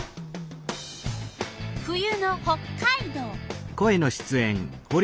冬の北海道。